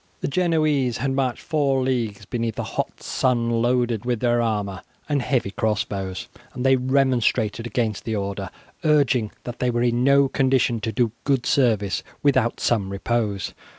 The Genoese had marched four leagues beneath a hot sun loaded with their armour and heavy cross bows, and they remonstrated against the order, urging that they were in no condition to do good service without some repose.